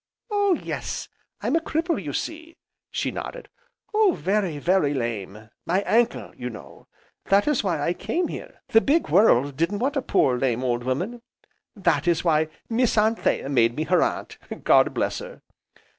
"Oh yes, I'm a cripple, you see," she nodded, "Oh very, very lame! my ankle, you know. That is why I came here, the big world didn't want a poor, lame, old woman, that is why Miss Anthea made me her Aunt, God bless her!